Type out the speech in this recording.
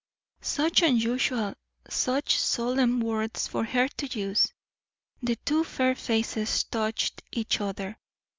Such unusual, such solemn words for her to use! The two fair faces touched each other.